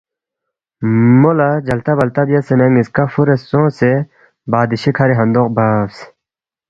مو لہ جلتہ بلتہ بیاسے نہ نِ٘یسکا فُورے سونگسے بادشی کَھری ہندوق بَبس